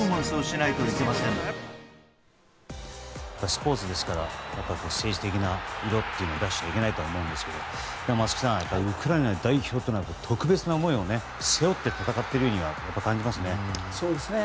スポーツですから政治的な色っていうのを出しちゃいけないとは思うんですけど松木さん、ウクライナ代表は特別な思いを背負って戦っているようには感じますね。